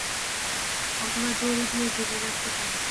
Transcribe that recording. অথবা দড়ি দিয়ে ঘিরে রাখতে পারো।